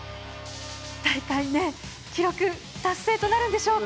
大会記録達成となるんでしょうか。